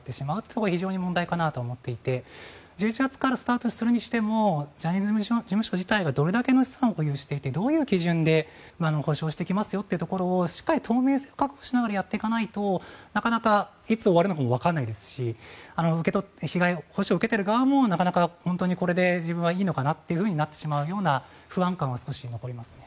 そこが非常に問題かなと思っていて１１月からスタートするにしてもジャニーズ事務所自体がどれだけの資産を保有していてどういう基準で補償していきますよというところをしっかり透明性を確保しながらやっていかないとなかなかいつ終わるのかもわからないですし被害補償を受けている側もなかなか本当にこれで自分はいいのかなとなってしまうような不安感は少し残りますね。